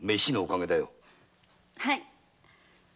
はい。